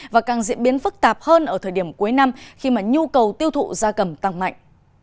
và càng diễn biến phức tạp hơn ở thời điểm cuối năm khi mà nhu cầu tiêu thụ gia cầm tăng mạnh